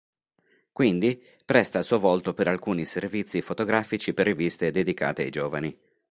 Quindi presta il suo volto per alcuni servizi fotografici per riviste dedicate ai giovani.